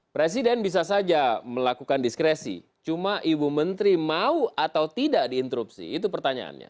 presiden bisa saja melakukan diskresi cuma ibu menteri mau atau tidak diinterupsi itu pertanyaannya